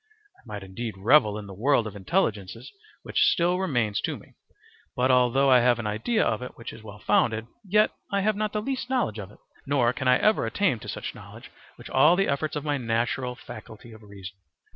I might indeed revel in the world of intelligences which still remains to me, but although I have an idea of it which is well founded, yet I have not the least knowledge of it, nor an I ever attain to such knowledge with all the efforts of my natural faculty of reason.